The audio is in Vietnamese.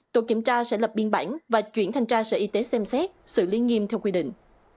tổ kiểm tra sẽ lập biên bản và chuyển thành tra sở y tế xem xét xử lý nghiêm theo quy định